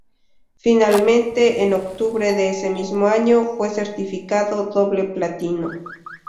Finalmente, en octubre de ese mismo año fue certificado doble platino.